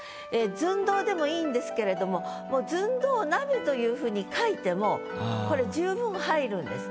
「寸胴」でもいいんですけれどももう「寸胴鍋」というふうに書いてもこれ十分入るんです。